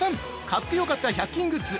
買ってよかった１００均グッズ